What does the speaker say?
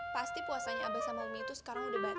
pasti puasanya abah sama umi lo juga yakin